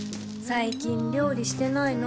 最近料理してないの？